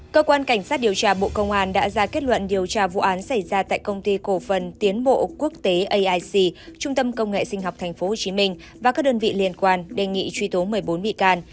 cơ quan cảnh sát điều tra bộ công an đã ra kết luận điều tra vụ án xảy ra tại công ty cổ phần tiến bộ quốc tế aic trung tâm công nghệ sinh học tp hcm và các đơn vị liên quan đề nghị truy tố một mươi bốn bị can